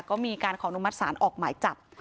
ก็มีการขออนุมัติศาลออกหมายจับ